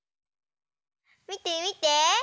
みてみて。